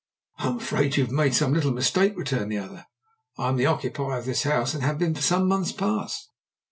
"I am afraid you have made some little mistake," returned the other. "I am the occupier of this house, and have been for some months past.